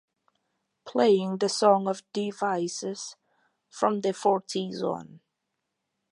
Playing the song of devices from the forties on.